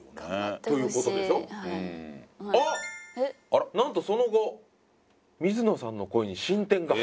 あなんとその後水野さんの恋に進展が！